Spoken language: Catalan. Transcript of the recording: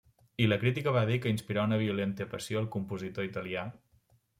I la crítica va dir que inspirà una violenta passió al compositor italià.